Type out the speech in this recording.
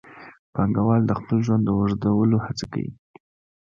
پانګوال د خپل ژوند د اوږدولو هڅه کوي